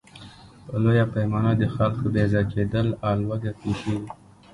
په لویه پیمانه د خلکو بېځایه کېدل او لوږه پېښېږي.